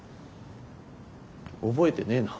覚えてねえな。